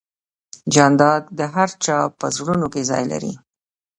جانداد د هر چا په زړونو کې ځای لري.